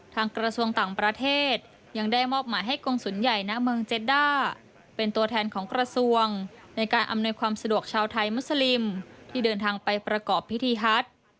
กระทรวงต่างประเทศยังได้มอบหมายให้กรงศูนย์ใหญ่ณเมืองเจด้าเป็นตัวแทนของกระทรวงในการอำนวยความสะดวกชาวไทยมุสลิมที่เดินทางไปประกอบพิธีฮัท